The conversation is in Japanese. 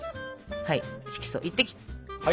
はい色素１滴。